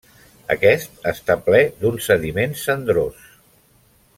Aquest, està ple d’un sediment cendrós.